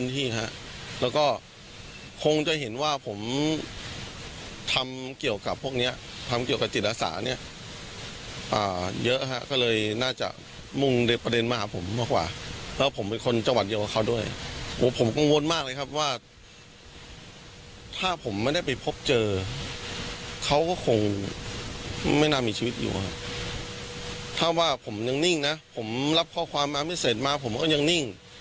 ถ้าว่าผมทำนิ่งนะผมรับข้อความมาไม่เสร็จมาผมก็ยังนิ่ง